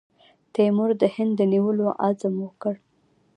تیمور د هند د نیولو عزم وکړ.